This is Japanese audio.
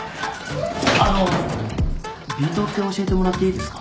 あのＢ棟って教えてもらっていいですか？